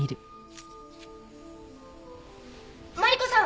マリコさん